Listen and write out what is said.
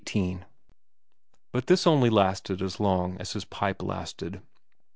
XVIII Bur this only lasted as long as his pipe lasted.